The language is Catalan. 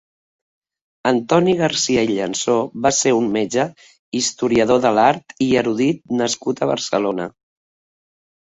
Antoni Garcia i Llansó va ser un metge, historiador de l'art i erudit nascut a Barcelona.